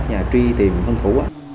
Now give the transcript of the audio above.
và truy tìm hân thủ